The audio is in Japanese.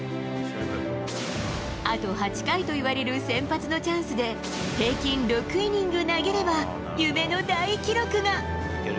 あと８回といわれる先発のチャンスで、平均６イニング投げれば、夢の大記録が。